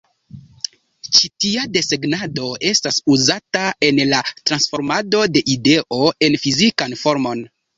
Ĉi tia desegnado estas uzata en la transformado de ideo en fizikan formon.